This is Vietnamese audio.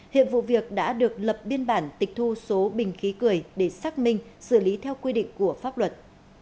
hiện vụ việc đã được lập biên bản tịch thu số bình khí cười để xác minh xử lý theo quy định của pháp luật